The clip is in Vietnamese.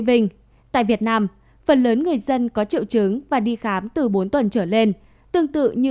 vinh tại việt nam phần lớn người dân có triệu chứng và đi khám từ bốn tuần trở lên tương tự như